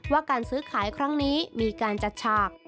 ว่าการซื้อขายครั้งนี้มีการจัดฉาก